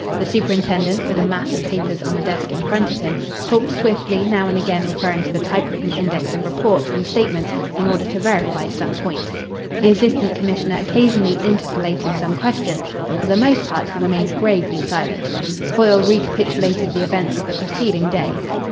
The superintendent, with a mass of papers on the desk in front of him, talked swiftly, now and again referring to the typewritten index of reports and statements in order to verify some point. The Assistant Commissioner occasionally interpolated some question, but for the most part he remained gravely silent. Foyle recapitulated the events of the preceding day.